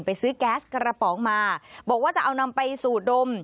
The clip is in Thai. ไปซื้อแก๊สกระป๋องมาบอกว่าจะเอานำไปสูดดม